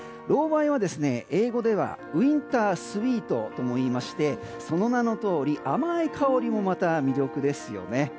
ロウバイは英語ではウィンタースイートともいいましてその名のとおり、甘い香りもまた魅力ですよね。